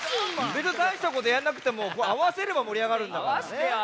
べつにたいしたことやんなくてもあわせればもりあがるんだからね。